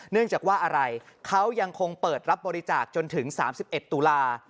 เนื่องจากว่าอะไรเขายังคงเปิดรับบริจาคจนถึง๓๑ตุลา